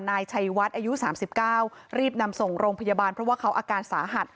นายชัยวัดอายุ๓๙รีบนำส่งโรงพยาบาลเพราะว่าเขาอาการสาหัส